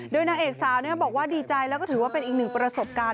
โดยนางเอกสาวบอกว่าดีใจแล้วก็ถือว่าเป็นอีกหนึ่งประสบการณ์